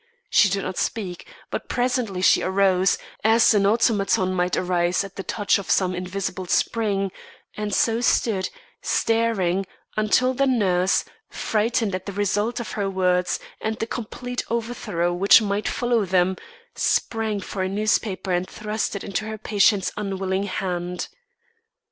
She did not speak; but presently she arose, as an automaton might arise at the touch of some invisible spring, and so stood, staring, until the nurse, frightened at the result of her words and the complete overthrow which might follow them, sprang for a newspaper and thrust it into her patient's unwilling hand.